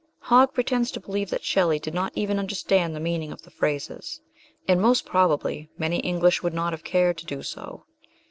Hogg pretends to believe that Shelley did not even understand the meaning of the phrases, and most probably many English would not have cared to do so.